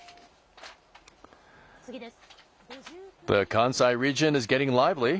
次です。